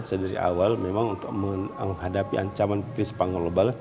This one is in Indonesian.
saya dari awal memang untuk menghadapi ancaman krisis pangan global